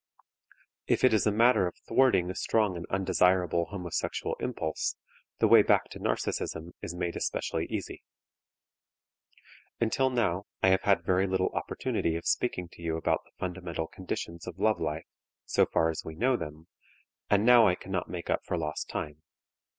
If it is a matter of thwarting a strong and undesirable homosexual impulse, the way back to narcism is made especially easy. Until now I have had very little opportunity of speaking to you about the fundamental conditions of love life, so far as we know them, and now I cannot make up for lost time.